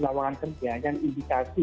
lawangan kerja yang indikasi